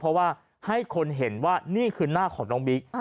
เพราะว่าให้คนเห็นว่านี่คือหน้าของน้องบิ๊ก